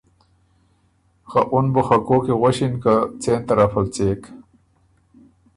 خه اُن بُو خه کوک کی غؤݭِن که څېن طرف ال څېک۔